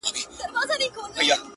څه ويلاى نه سم_